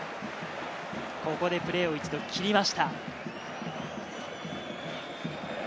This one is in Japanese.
ここでプレーを一度切りました。